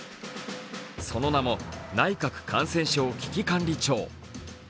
その名も内閣感染症危機管理庁。